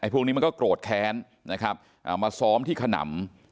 พวกนี้มันก็โกรธแค้นนะครับมาซ้อมที่ขนำ